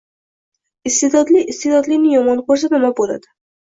Iste’dodli iste’dodlini yomon ko’rsa nima bo’ladi?